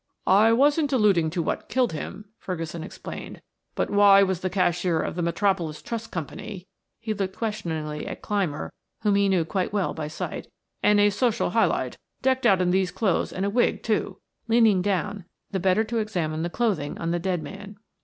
"I wasn't alluding to what killed him," Ferguson explained. "But why was the cashier of the Metropolis Trust Company," he looked questioningly at Clymer whom he knew quite well by sight, "and a social high light, decked out in these clothes and a wig, too?" leaning down, the better to examine the clothing on the dead man.